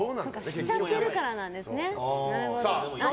知っちゃってるからなんですね。